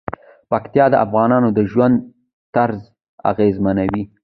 پکتیکا د افغانانو د ژوند طرز اغېزمنوي.